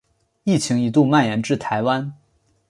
疫情一度蔓延至台湾。